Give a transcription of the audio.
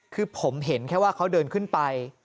คือผมเห็นแค่ว่าเขาเดินขึ้นไป